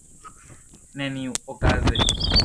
Neniuokaze.